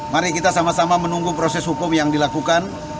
mari kita sama sama menunggu proses hukum yang dilakukan